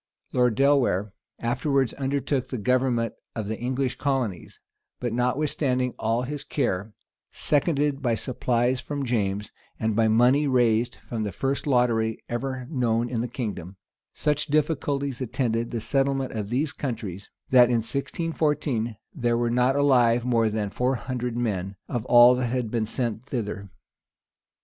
Lord Delawar afterwards undertook the government of the English colonies: but, notwithstanding all his care, seconded by supplies from James and by money raised from the first lottery ever known in the kingdom, such difficulties attended the settlement of these countries, that, in 1614, there were not alive more than four hundred men, of all that had been sent thither.